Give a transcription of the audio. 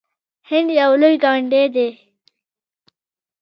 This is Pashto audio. هند یو لوی ګاونډی دی.